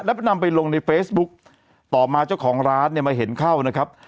แล้วนำไปลงในเฟซบุ๊กต่อมาเจ้าของร้านเนี่ยมาเห็นเข้านะครับ